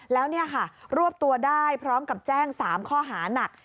แล้วนี่ค่ะรวบตัวได้พร้อมกับแจ้ง๓ข้อหานัก